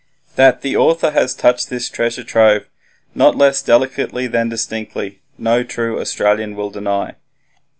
That the author has touched this treasure trove, not less delicately than distinctly, no true Australian will deny.